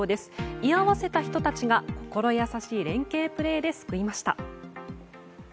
居合わせた人たちが心優しい連係プレーで救いました。